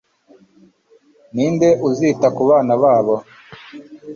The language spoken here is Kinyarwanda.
ninde uzita ku bana babo